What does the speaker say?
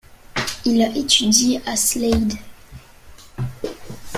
Il a étudié à Slade.